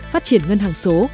phát triển ngân hàng số